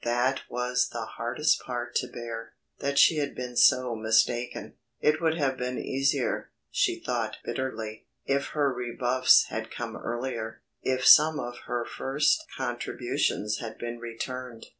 That was the hardest part to bear, that she had been so mistaken. It would have been easier, she thought bitterly, if her rebuffs had come earlier; if some of her first contributions had been returned.